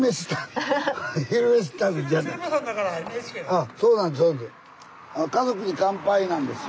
あそうなんです。